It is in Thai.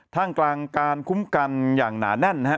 ท่ามกลางการคุ้มกันอย่างหนาแน่นนะฮะ